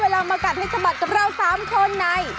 ได้เวลามากัดให้สะบัดกับเรา๓คนใน